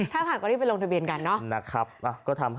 ถ่าผ่านก็อดีตลงทะเบียนกันนอ